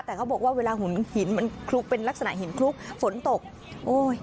แต่เขาบอกว่าเวลาหุ่นหินมันคลุกเป็นลักษณะหินคลุกฝนตกโอ้ย